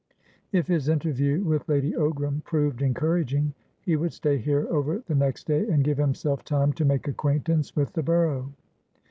If his interview with Lady Ogram proved encouraging, he would stay here over the next day, and give himself time to make acquaintance with the borough.